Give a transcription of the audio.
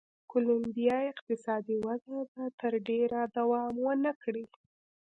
کولمبیا اقتصادي وده به تر ډېره دوام و نه کړي.